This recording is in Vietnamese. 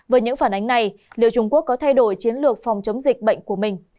với những phản ánh này liệu trung quốc có thay đổi chiến lược phòng chống dịch bệnh của mình